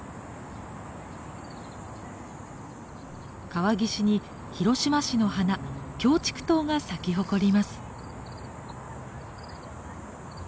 川岸に広島市の花キョウチクトウが咲き誇ります。